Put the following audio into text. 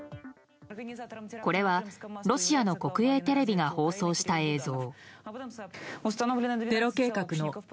これは、ロシアの国営テレビが放送した映像。